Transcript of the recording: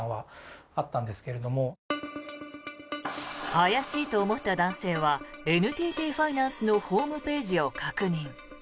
怪しいと思った男性はＮＴＴファイナンスのホームページを確認。